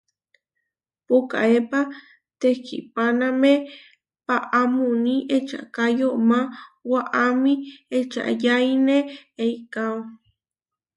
Pukaépa tekihpáname paamúni ečaká yomá, waʼámi ečayáine eikáo.